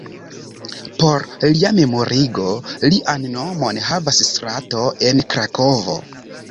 Por lia memorigo, lian nomon havas strato en Krakovo.